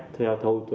thì cái giải phép